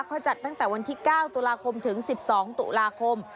เขาจัดตั้งแต่วันที่๙ตุลาคมถึง๑๒ตุลาคม